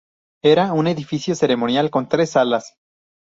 Era un edificio ceremonial con tres salas.